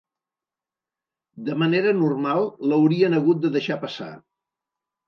De manera normal l'haurien hagut de deixar passar.